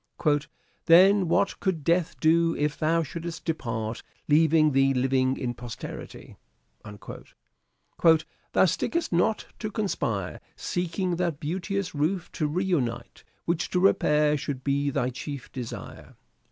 '' Then what could death do if thou shouldst depart, Leaving thee living in posterity ?" "Thou stick'st not to conspire, Seeking that beauteous roof to ruinate Which to repair should be thy chief desire."